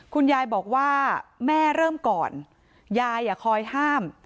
คุณยายบอกว่าแม่เริ่มก่อนยายคอยห้าม